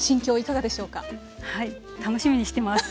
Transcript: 楽しみにしてます。